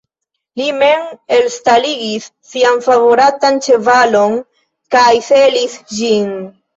Li mem elstaligis sian favoratan ĉevalon kaj selis ĝin.